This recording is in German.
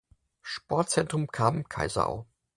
Sportzentrum Kamen-Kaiserau.